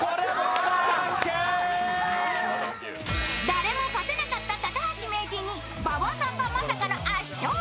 誰も勝てなかった高橋名人に馬場さんがまさかの圧勝。